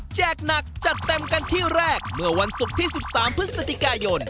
หนักจัดเต็มกันที่แรกเมื่อวันศุกร์ที่๑๓พฤศจิกายน